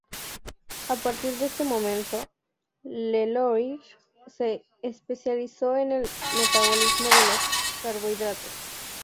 A partir de este momento, Leloir se especializó en el metabolismo de los carbohidratos.